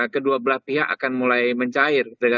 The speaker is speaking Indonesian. kedua belah pihak akan mulai mencair